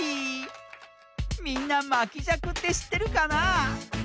みんなまきじゃくってしってるかな？